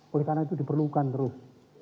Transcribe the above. oleh karena itu diperlukan terus